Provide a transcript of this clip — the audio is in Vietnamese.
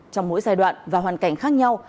trong mỗi giai đoạn và hoàn cảnh khác nhau